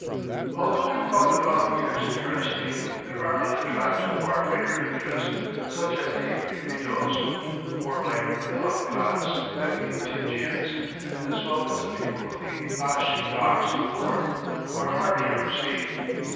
Although we found the dog eaters interesting, there are other tribes of far greater interest, such as the Negritos, the warlike Ilongots and the Tingians, as well as the people of the Bashee rocks of the north, who are hardly ever seen.